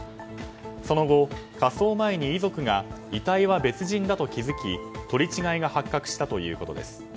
その後、火葬前に遺族が遺体は別人だと気づき取り違えが発覚したということです。